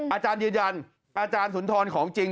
อาจารย์ยืนยันอาจารย์สุนทรของจริง